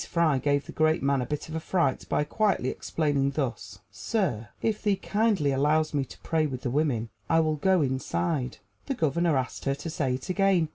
Fry gave the great man a bit of fright by quietly explaining thus: "Sir, if thee kindly allows me to pray with the women, I will go inside." The Governor asked her to say it again.